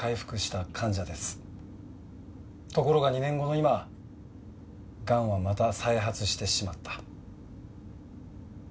ところが２年後の今がんはまた再発してしまった。